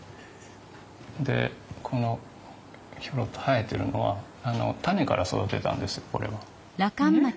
でこのひょろっと生えてるのは種から育てたんですこれは。えっ？